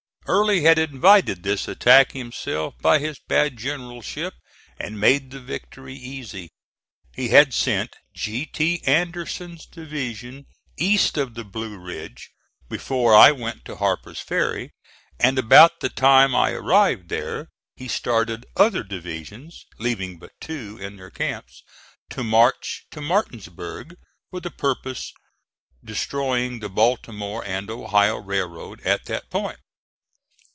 Early had invited this attack himself by his bad generalship and made the victory easy. He had sent G. T. Anderson's division east of the Blue Ridge before I went to Harper's Ferry; and about the time I arrived there he started other divisions (leaving but two in their camps) to march to Martinsburg for the purpose destroying the Baltimore and Ohio Railroad at that point.